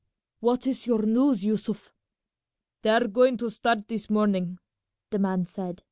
"What is your news, Yussuf?" "They are going to start this morning," the man said.